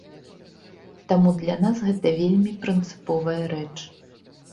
Таму для нас гэта вельмі прынцыповая рэч.